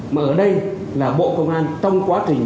mà ở đây là bộ công an trong quá trình